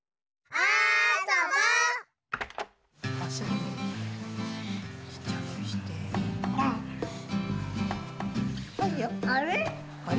あれ？